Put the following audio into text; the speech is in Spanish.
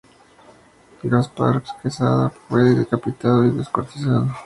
Gaspar de Quesada fue decapitado y descuartizado.